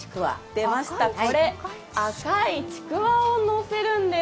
出ました、赤いちくわをのせるんです。